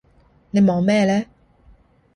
你望咩呢？